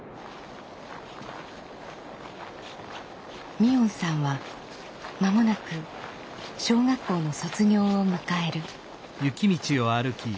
海音さんは間もなく小学校の卒業を迎える。